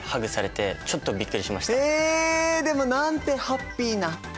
でもなんてハッピーな。